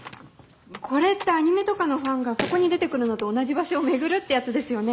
これってアニメとかのファンがそこに出てくるのと同じ場所を巡るってやつですよね？